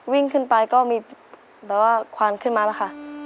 วิ่งขึ้นไปก็มีแบบว่าควันขึ้นมาแล้วค่ะ